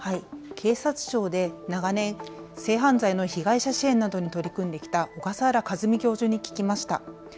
警察庁で長年、性犯罪の被害者支援などに取り組んできた小笠原和美教授に聞きました。